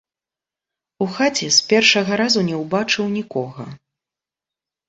У хаце з першага разу не ўбачыў нікога.